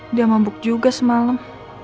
udah mabuk juga semalam